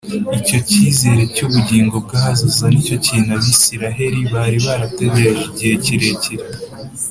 Icyo cyizere cy’ubugingo bw’ahazaza nicyo kintu Abisiraheli bari barategereje igihe kirekire